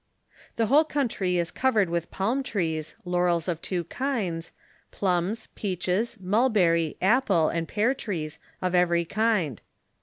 The whole country is covered with palm trees, laurels of two kinds, plums, peaches, mulberry, apple, and pear trees of every kind.